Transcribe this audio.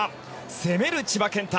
攻める千葉健太